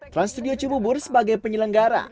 trans studio cibubur sebagai penyelenggara